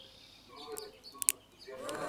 ښځه د ديندارۍ په خاطر په نکاح کيږي